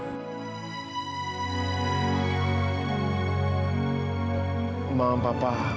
bagaimana cara anak anak ini bisa sampai ke sini